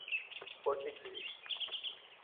പൊട്ടിച്ചിരി